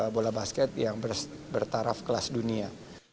bola basket yang bertaraf kelas dunia